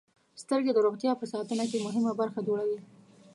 • سترګې د روغتیا په ساتنه کې مهمه برخه جوړوي.